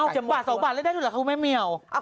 จะบาท๒บาทแล้วได้อยู่หรือครับเขาแม่เมียว